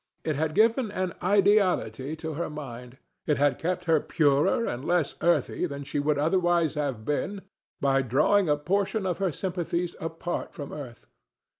It had given an ideality to her mind; it had kept her purer and less earthy than she would otherwise have been by drawing a portion of her sympathies apart from earth.